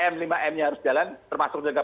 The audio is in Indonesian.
tiga m lima m nya harus jalan termasuk dengan